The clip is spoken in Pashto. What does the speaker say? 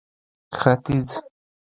ختيځ